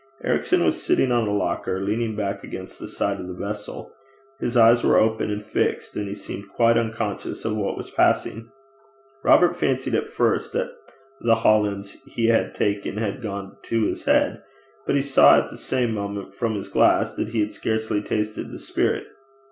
Ericson was sitting on a locker, leaning back against the side of the vessel: his eyes were open and fixed, and he seemed quite unconscious of what was passing. Robert fancied at first that the hollands he had taken had gone to his head, but he saw at the same moment, from his glass, that he had scarcely tasted the spirit.